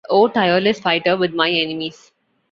O tireless fighter with my enemies!